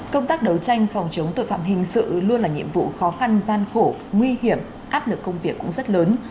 công tác đấu tranh phòng chống tội phạm hình sự luôn là nhiệm vụ khó khăn gian khổ nguy hiểm áp lực công việc cũng rất lớn